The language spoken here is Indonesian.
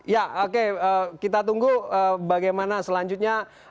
ya oke kita tunggu bagaimana selanjutnya